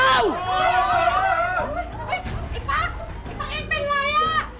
ปั๊กอย่าเป็นไร